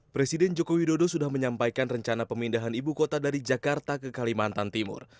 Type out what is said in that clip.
presiden joko widodo sudah menyampaikan rencana pemindahan ibu kota dari jakarta ke kalimantan timur